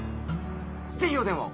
ぜひお電話を！